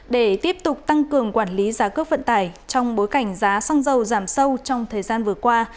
để tiếp tục tăng cường quản lý giá cước vận tải trong bối cảnh giá xăng dầu giảm sâu trong thời gian vừa qua